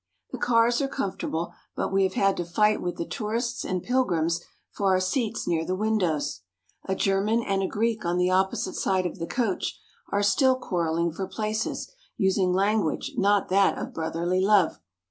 The cars are comfortable, but we have had to fight with the tourists and pilgrims for our seats near the windows. A German and a Greek on the opposite side of the coach are still quarrelling for places, using language not that of brotherly love.